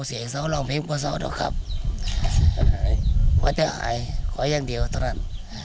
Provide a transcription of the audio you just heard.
เสียเสาหล่องเพียงพ่อเสาด้วยครับวัดจะหายขอย่างเดียวตอนนั้น